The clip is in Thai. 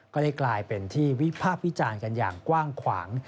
ก็ได้กลายเป็นที่วิพากษ์วิจารณ์กันอย่างกว้างขวาง